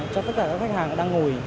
cho tất cả các khách hàng đang ngồi